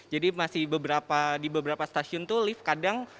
jadi masih di beberapa stasiun itu lift kadang